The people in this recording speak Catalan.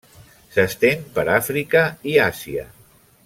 S'estén per Àfrica i Àsia.